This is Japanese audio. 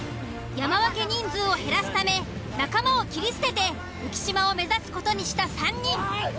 山分け人数を減らすため仲間を切り捨てて浮島を目指す事にした３人。